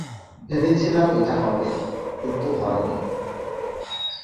ভেবেছিলাম এটা হবে, কিন্তু হয়নি।